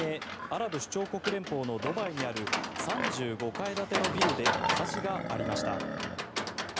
アラブ首長国連邦のドバイにある３５階建てのビルで火事がありました。